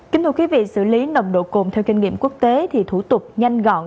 kính thưa quý vị xử lý nồng độ cồn theo kinh nghiệm quốc tế thì thủ tục nhanh gọn